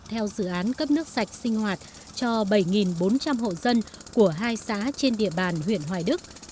theo dự án cấp nước sạch sinh hoạt cho bảy bốn trăm linh hộ dân của hai xã trên địa bàn huyện hoài đức